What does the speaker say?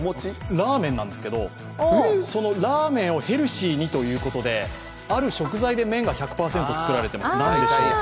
ラーメンなんですけどヘルシーにということである食材で麺が１００％作られてます